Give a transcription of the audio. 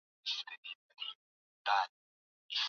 je nia ya wananchi hawa itazaa matunda